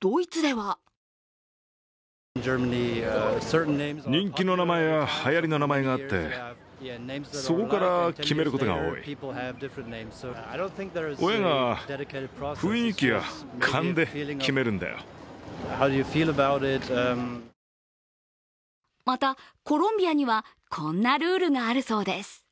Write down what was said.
ドイツではまた、コロンビアにはこんなルールがあるそうです。